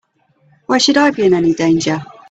Why should I be in any danger?